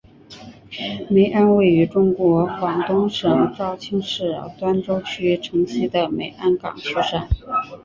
梅庵位于中国广东省肇庆市端州区城西的梅庵岗上。